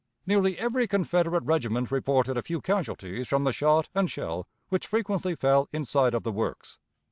Nearly every Confederate regiment reported a few casualties from the shot and shell which frequently fell inside of the works.